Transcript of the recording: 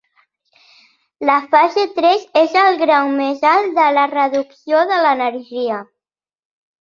La fase tres és el grau més alt de la reducció de l'energia.